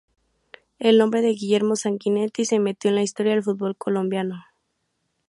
El nombre de Guillermo Sanguinetti se metió en la historia del fútbol colombiano.